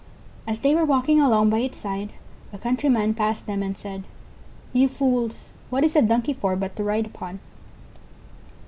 As they were walking along by its side a countryman passed them and said: "You fools, what is a Donkey for but to ride upon?"